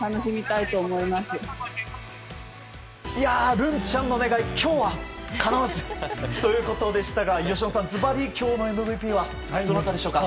るんちゃんの願い、今日はかなわずということでしたが由伸さん、今日のＭＶＰはどなたでしょうか。